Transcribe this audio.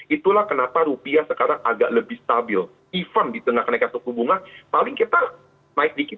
itulah kenapa rupiah sekarang agak lebih stabil even di tengah kenaikan suku bunga paling kita naik dikit